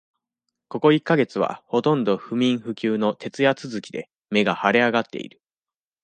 ここ一ヶ月は、ほとんど不眠不休の徹夜続きで、目が腫れ上がっている。